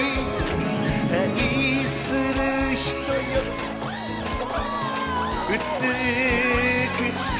愛する人よ美しく。